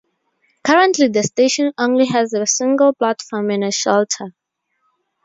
Currently the station only has a single platform and a shelter.